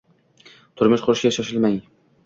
Turmush qurishga shoshilmang